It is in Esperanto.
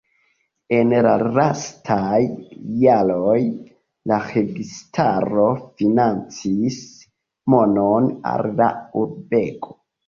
En la lastaj jaroj la registaro financis monon al la urbego.